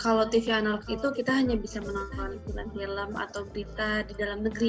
kalau tv analog itu kita hanya bisa menonton film atau berita di dalam negeri